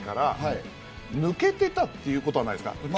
宗教団体から抜けてたってことはないですか？